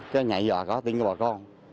cái nhạy dọa có tên của bà con